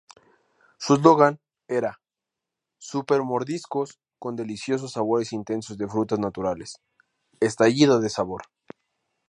Su eslogan era "Super mordiscos con deliciosos sabores intensos de frutas naturales"..."¡Estallido de sabor!!